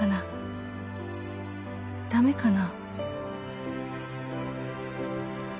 「駄目かな」